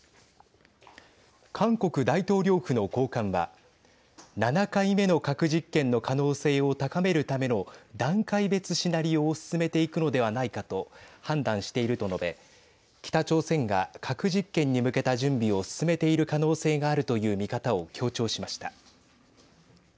韓国大統領府の高官は７回目の核実験の可能性を高めるための段階別シナリオを進めていくのではないかと判断していると述べ、北朝鮮が核実験に向けた準備を進めている可能性があるという見方を強調しました。